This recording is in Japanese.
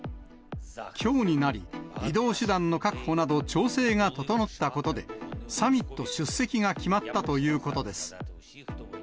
きょうになり、移動手段の確保など、調整が整ったことで、サミット出席が決まったということです。